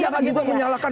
jangan juga menyalahkan